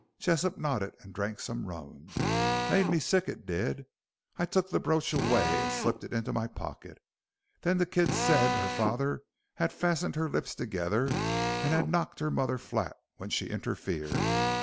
Jessop nodded and drank some rum. "Made me sick it did. I took th' brooch away and slipped it into my pocket. Then the kid said her father had fastened her lips together and had knocked her mother flat when she interfered.